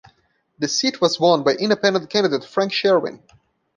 The seat was won by Independent candidate Frank Sherwin.